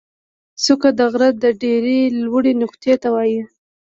څوکه د غره د ډېرې لوړې نقطې ته وایي.